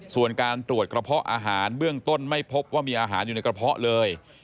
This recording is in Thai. ส่วนการตรวจกระเพาะอาหารเบื้องต้นไม่พบว่ามีอาหารอยู่ในกระเพาะเลย